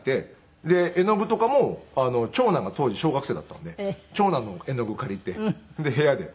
で絵の具とかも長男が当時小学生だったので長男の絵の具を借りてで部屋で。